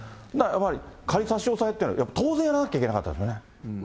まず、仮差し押さえというのは、やっぱ当然やらなきゃいけなかったですね。